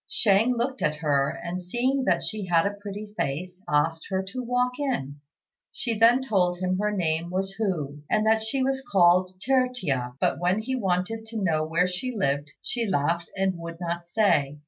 Shang looked at her, and seeing that she had a pretty face, asked her to walk in. She then told him her name was Hu, and that she was called Tertia; but when he wanted to know where she lived, she laughed and would not say.